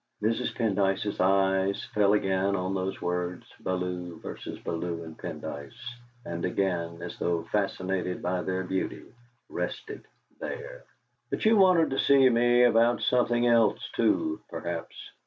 Mrs. Pendyce's eyes fell again on those words, "Bellew v. Bellew and Pendyce," and again, as though fascinated by their beauty, rested there. "But you wanted to see me about something else too, perhaps?"